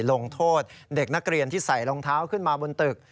ลงโทษเด็กนักเรียนที่ใส่รองเท้าขึ้นมาบนตึก